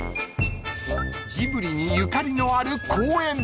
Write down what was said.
［ジブリにゆかりのある公園］